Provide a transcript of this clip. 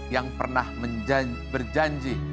yang pernah berjanji